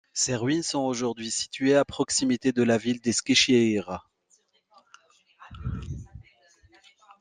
Ses ruines sont aujourd'hui situées à proximité de la ville d'Eskişehir.